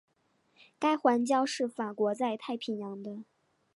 该环礁是法国在太平洋的。